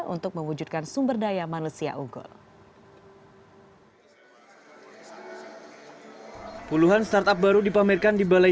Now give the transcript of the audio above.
untuk mewujudkan sumber daya manusia unggul